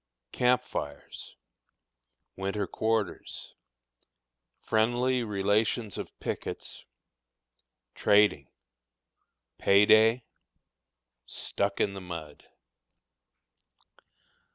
Camp Fires. Winter Quarters. Friendly Relations of Pickets. Trading. Pay Day. "Stuck in the Mud."